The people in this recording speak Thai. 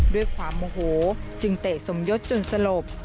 ด้วยความโมโหจึงเตะสมยศจนสลบ